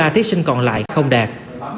sáu trăm sáu mươi ba thí sinh còn lại không đạt